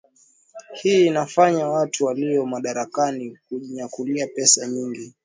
Hii inafanya watu walio madarakani kujinyakulia pesa nyingi